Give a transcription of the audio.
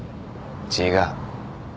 違う。